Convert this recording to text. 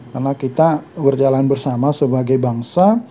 karena kita berjalan bersama sebagai bangsa